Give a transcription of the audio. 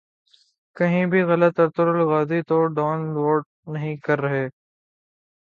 کہیں بھی غلط ارطغرل غازی تو ڈان لوڈ نہیں کر رہے